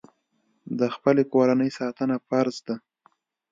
د خپلې کورنۍ ساتنه فرض ده.